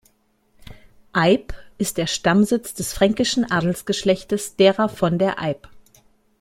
Eyb ist der Stammsitz des fränkischen Adelsgeschlechts derer von Eyb.